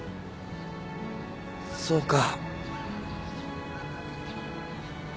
そうか。